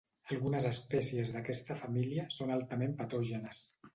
Algunes espècies d'aquesta família són altament patògenes.